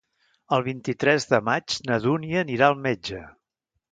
El vint-i-tres de maig na Dúnia anirà al metge.